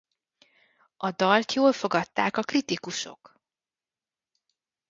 A dalt jól fogadták a kritikusok.